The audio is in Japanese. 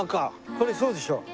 これそうでしょ？